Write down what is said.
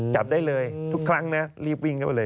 จับได้เลยทุกครั้งนะรีบวิ่งเข้าไปเลย